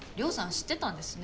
知ってたんですね